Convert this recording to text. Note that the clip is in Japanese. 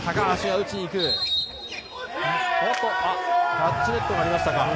タッチネットがありましたか。